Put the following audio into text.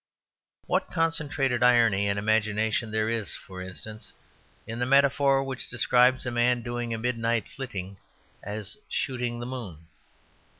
What concentrated irony and imagination there is for instance, in the metaphor which describes a man doing a midnight flitting as "shooting the moon"?